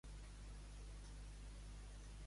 És el quart capítol de la sèrie "Snowboard Kids".